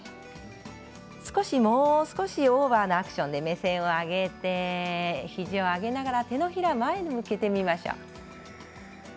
もう少しオーバーなアクションで目線を上げて肘を上げながら手のひら、前に向けてみましょう。